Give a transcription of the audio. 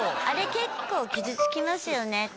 あれ結構傷つきますよね